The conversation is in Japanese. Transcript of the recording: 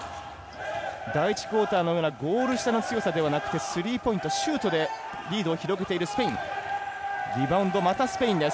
第１クオーターのようなゴール下の強さではなくてスリーポイントシュートでリードを広げているスペイン。